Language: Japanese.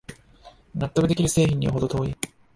納得できる製品にはほど遠い